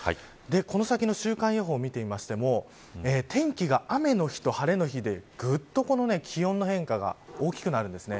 この先の週間予報を見てみると天気が雨の日と晴れの日でぐっと気温の変化が大きくなるんです。